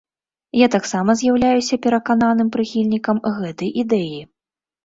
Я таксама з'яўляюся перакананым прыхільнікам гэтай ідэі.